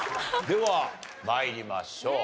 では参りましょう。